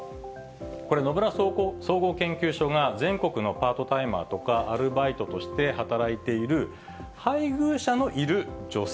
これ、野村総合研究所が全国のパートタイマーとか、アルバイトとして働いている、配偶者のいる女性